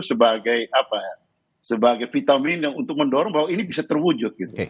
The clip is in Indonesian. sebagai vitamin untuk mendorong bahwa ini bisa terwujud